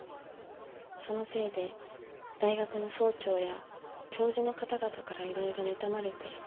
そのせいで大学の総長や教授の方々からいろいろ妬まれて。